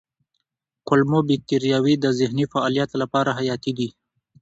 کولمو بکتریاوې د ذهني فعالیت لپاره حیاتي دي.